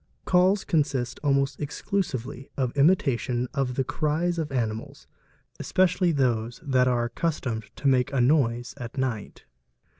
"Calls '' consist almost exclusively of imitation of the cries of animal especially those that are accustomed to make a noise at night.